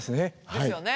ですよね。